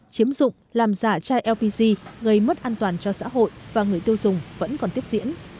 chiếm dụng làm giả chai lpg gây mất an toàn cho xã hội và người tiêu dùng vẫn còn tiếp diễn